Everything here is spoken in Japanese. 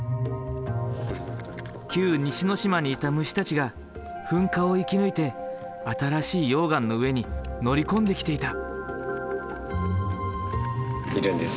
旧西之島にいた虫たちが噴火を生き抜いて新しい溶岩の上に乗り込んできていた。